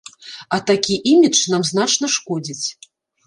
А такі імідж нам значна шкодзіць.